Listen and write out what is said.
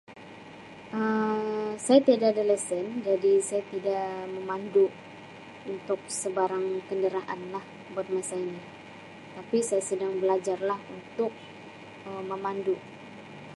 Um Saya tiada ada lesen jadi saya tidak memandu untuk sebarang kenderaan lah buat masa ini tapi saya sedang belajar lah untuk Um memandu.